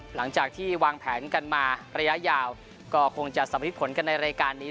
หลังจากที่วางแผนกันมาระยะยาวก็คงจะสำริดผลกันในรายการนี้